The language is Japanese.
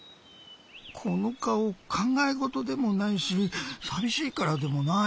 このかおかんがえごとでもないしさびしいからでもない。